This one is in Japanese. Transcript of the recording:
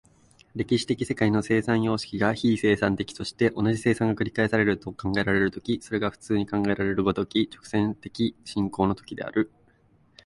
歴史的世界の生産様式が非生産的として、同じ生産が繰り返されると考えられる時、それが普通に考えられる如き直線的進行の時である。